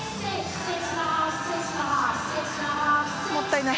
もったいない。